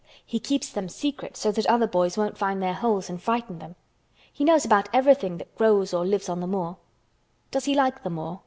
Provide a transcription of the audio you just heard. He keeps them secret so that other boys won't find their holes and frighten them. He knows about everything that grows or lives on the moor." "Does he like the moor?"